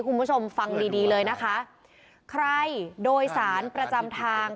คุณผู้ชมฟังดีดีเลยนะคะใครโดยสารประจำทาง